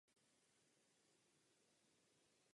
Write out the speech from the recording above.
Byly to první testy balistických střel s ostrou hlavicí.